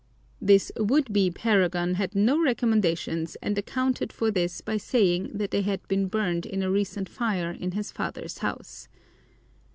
This would be paragon had no recommendations, and accounted for this by saying that they had been burned in a recent fire in his father's house.